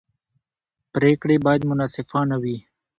پرېکړې باید منصفانه وي